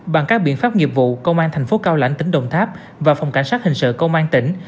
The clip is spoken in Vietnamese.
bằng các biện pháp nghiệp vụ công an thành phố cao lãnh tỉnh đồng tháp và phòng cảnh sát hình sự công an tỉnh